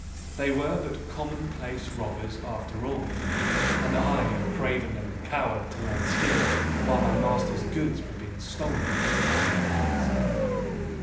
They were but common place robbers after all, and I a craven and a coward to lie still while my master's goods were being stolen before my eyes.